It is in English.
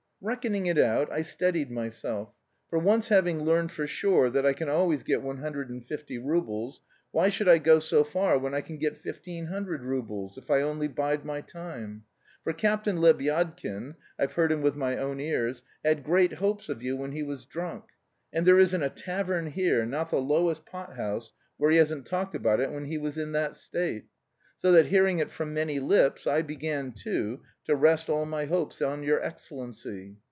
"Reckoning it out, I steadied myself. For once having learned for sure that I can always get one hundred and fifty roubles, why should I go so far when I can get fifteen hundred roubles, if I only bide my time. For Captain Lebyadkin (I've heard him with my own ears) had great hopes of you when he was drunk; and there isn't a tavern here not the lowest pot house where he hasn't talked about it when he was in that state. So that hearing it from many lips, I began, too, to rest all my hopes on your excellency.